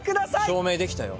「証明できたよ